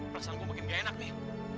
perasaan gue makin gak enak nih